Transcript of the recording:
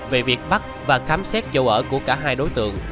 về việc bắt và khám xét châu ở của cả hai đối tượng